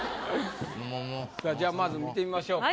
じゃあまず見てみましょうか。